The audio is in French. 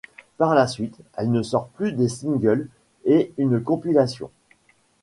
Par la suite, elle ne sort plus des singles et une compilation.